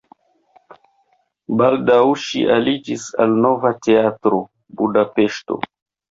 Baldaŭ ŝi aliĝis al Nova Teatro (Budapeŝto).